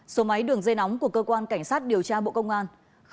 số máy đường dây nóng của cơ quan cảnh sát điều tra bộ công an